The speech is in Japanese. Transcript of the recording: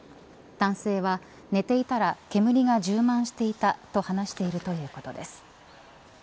男性は寝ていたら煙が充満していたと話しているということです。